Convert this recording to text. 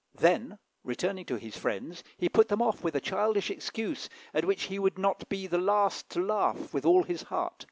Then, returning to his friends, he put them off with a childish excuse, at which he would not be the last to laugh with all his heart.